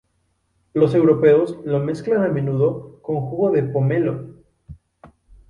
Los europeos lo mezclan a menudo con jugo de pomelo.